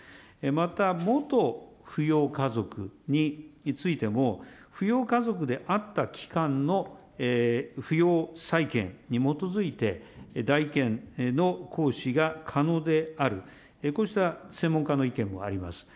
また、元扶養家族についても、扶養家族であった期間の扶養再建に基づいて、代位権の行使が可能である、こうした専門家の意見もあります。